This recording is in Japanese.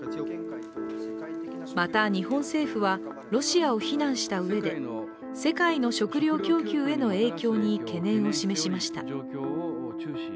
また、日本政府はロシアを非難したうえで世界の食糧供給への影響に懸念を示しました。